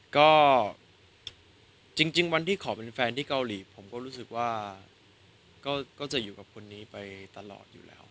ก็จริงวันที่ขอเป็นแฟนที่เกาหลีผมก็รู้สึกว่าก็จะอยู่กับคนนี้ไปตลอดอยู่แล้ว